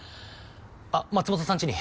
あっ松本さんちに。